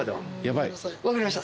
分かりました。